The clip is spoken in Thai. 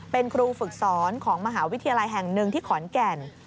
เป็นครูฝึกสอนของมหาวิทยาลัยแห่งหนึ่งที่ขอนแก่น